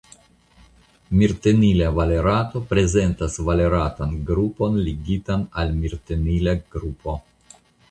Mirtenila valerato prezentas valeratan grupon ligitan al mirtenila grupo.